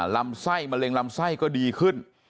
ลำไส้มะเร็งลำไส้ก็ดีขึ้น